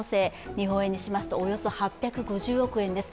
日本円にしますと、およそ８５０億円です。